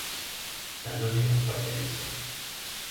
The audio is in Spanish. La noche nos pertenece".